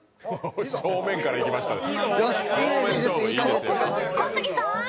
正面からいきましたね。